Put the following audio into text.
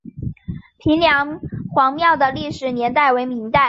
平凉隍庙的历史年代为明代。